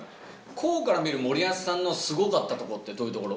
滉から見る森保さんのすごかったところって、どういうところ？